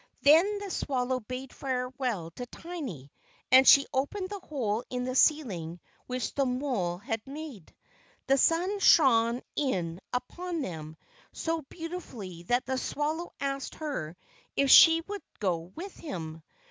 Then the swallow bade farewell to Tiny, and she opened the hole in the ceiling which the mole had made. The sun shone in upon them so beautifully that the swallow asked her if she would go with him.